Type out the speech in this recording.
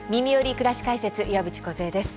くらし解説」岩渕梢です。